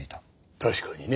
確かにね